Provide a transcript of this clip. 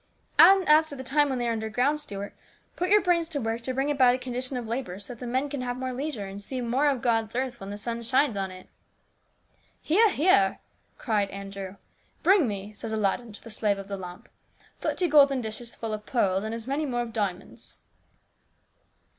And as to the time they are underground, Stuart, put your brains to work to bring about a condition of labour so that the men can have more leisure, and see more of God's earth when the sun shines on it." " Hear ! hear !" cried Andrew. "' Bring me/ says Aladdin to the slave of the lamp, * thirty golden dishes full of pearls, and as many more full of diamonds.'